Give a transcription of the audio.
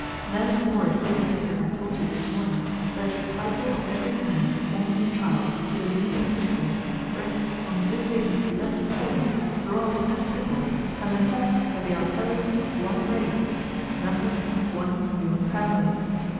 Therefore it is, as I told you this morning, that the title of every man, woman, and child to the means of existence rests on no basis less plain, broad, and simple than the fact that they are fellows of one race members of one human family.